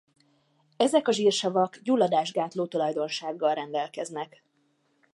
Ezek a zsírsavak gyulladásgátló tulajdonsággal rendelkeznek.